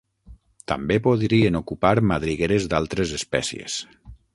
També podrien ocupar madrigueres d'altres espècies.